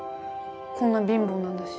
こんな貧乏なんだし。